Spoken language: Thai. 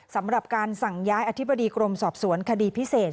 สำหรับการสั่งย้ายอธิบดีกรมสอบสวนคดีพิเศษ